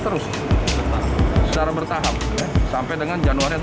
lakukan sedikit sekalian jalan mulai terus